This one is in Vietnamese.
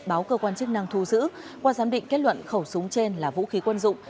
báo cơ quan chức năng thu giữ qua giám định kết luận khẩu súng trên là vũ khí quân dụng